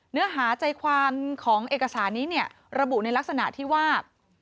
เนื้อหาใจความของเอกสารนี้เนี่ยระบุในลักษณะที่ว่า